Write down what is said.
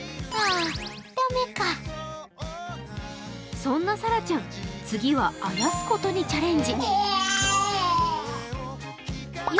そんなさらちゃん、次はあやすことにチャレンジ。